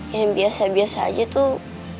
yang biasa biasa aja tuh